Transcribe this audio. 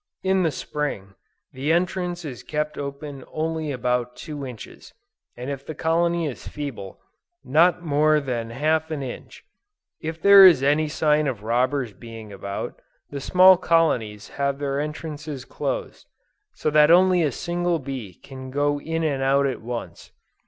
In the Spring, the entrance is kept open only about two inches, and if the colony is feeble, not more than half an inch. If there is any sign of robbers being about, the small colonies have their entrances closed, so that only a single bee can go in and out at once.